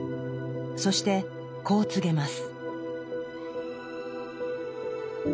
そしてこう告げます。